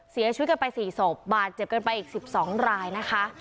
เสียชีวิตกันไป๔ศพบาดเจ็บกันไปอีก๑๒รายนะคะ